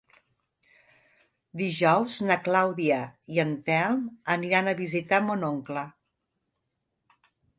Dijous na Clàudia i en Telm aniran a visitar mon oncle.